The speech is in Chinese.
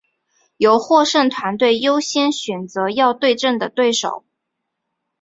由获胜团队优先选择要对阵的对手。